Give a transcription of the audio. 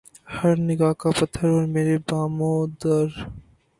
ہر نگاہ کا پتھر اور میرے بام و در